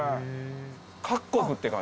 各国って感じ。